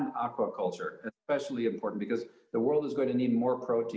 dan aquaculture yang terutama penting karena dunia akan membutuhkan lebih banyak protein